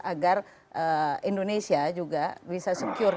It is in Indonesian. agar indonesia juga bisa secure